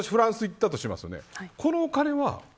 例えば、私フランスに行ったとしますよね。